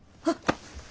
あっ。